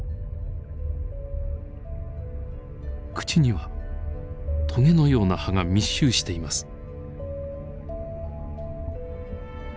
口にはとげのような歯が密集しています。